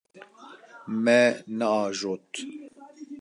Me neajot.